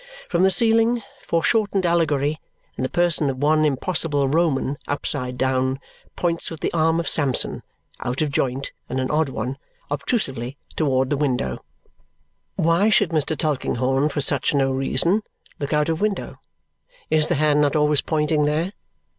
From the ceiling, foreshortened Allegory, in the person of one impossible Roman upside down, points with the arm of Samson (out of joint, and an odd one) obtrusively toward the window. Why should Mr. Tulkinghorn, for such no reason, look out of window? Is the hand not always pointing there?